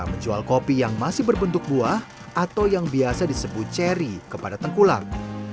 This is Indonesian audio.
menjual kopi yang masih berbentuk buah atau yang biasa disebut ceri kepada tengkulak